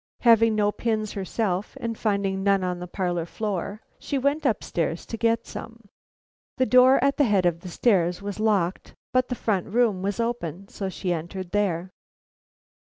Having no pins herself, and finding none on the parlor floor, she went up stairs to get some. The door at the head of the stairs was locked, but the front room was open, so she entered there.